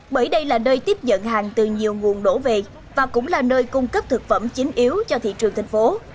bởi đây là nơi tiếp nhận hàng từ nhiều nguồn đổ về và cũng là nơi cung cấp thực phẩm chính yếu cho thị trường thành phố